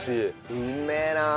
うめえな。